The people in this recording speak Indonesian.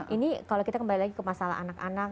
ini kalau kita kembali lagi ke masalah anak anak